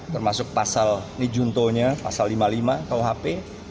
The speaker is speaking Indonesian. termasuk pasal nijunto pasal lima puluh lima kuhp